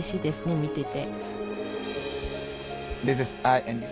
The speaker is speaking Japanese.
見てて。